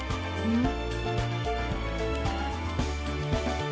うん。